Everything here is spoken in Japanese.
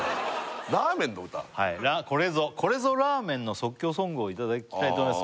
ラーメンの歌はいこれぞラーメンの即興ソングをいただきたいと思います